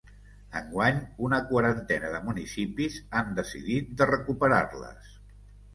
Enguany, una quarantena de municipis han decidit de recuperar-les.